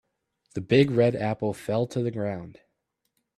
The big red apple fell to the ground.